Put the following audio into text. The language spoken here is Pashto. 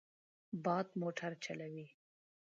باد موټر چلوي.